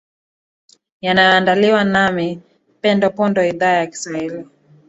yanayo andaliwa nami pendo pondo idhaa ya kiswahili